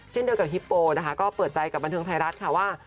เช่นเดียวกับฮิปโปนะคะก็เปิดใจกับบันเทิงไทยรัฐค่ะว่า